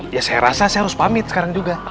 ya saya rasa saya harus pamit sekarang juga